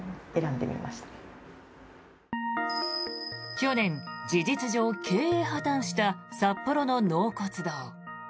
去年、事実上経営破たんした札幌の納骨堂。